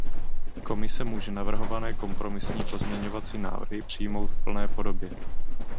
Komise může navrhované kompromisní pozměňovací návrhy přijmout v plné podobě.